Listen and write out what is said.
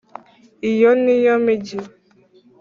iyo ni yo migi